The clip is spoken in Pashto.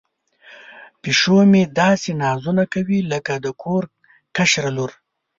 پیشو مې داسې نازونه کوي لکه د کور کشره لور.